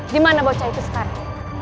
dimana bocah itu sekarang